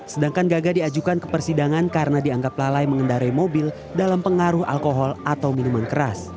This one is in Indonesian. sedangkan gaga diajukan ke persidangan karena dianggap lalai mengendarai mobil dalam pengaruh alkohol atau minuman keras